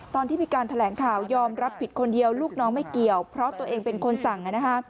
ตอนที่มีการแถลงข่าวยอมรับผิดคนเดียวลูกน้องไม่เกี่ยวเพราะตัวเองเป็นคนสั่งนะคะ